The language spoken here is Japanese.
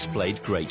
はい。